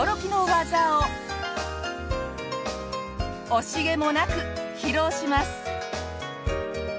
惜しげもなく披露します！